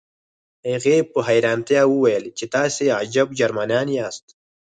هغې په حیرانتیا وویل چې تاسې عجب جرمنان یاست